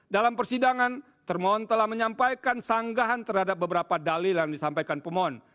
dalam persidangan termohon telah menyampaikan sanggahan terhadap beberapa dalil yang disampaikan pemohon